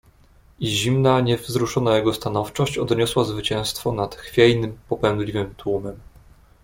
"I zimna, niewzruszona jego stanowczość odniosła zwycięstwo nad chwiejnym, popędliwym tłumem."